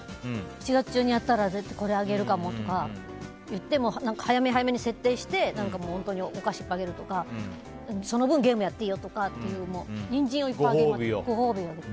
７月中にやったらこれあげるかもとか言って早め早めに設定してお菓子いっぱいあげるとかその分、ゲームやっていいよとかニンジンをいっぱいあげるご褒美を。